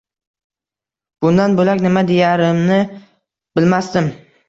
Bundan bo‘lak nima deyarimni bilmasdim